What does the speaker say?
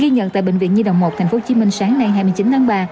ghi nhận tại bệnh viện nhi đồng một tp hcm sáng nay hai mươi chín tháng ba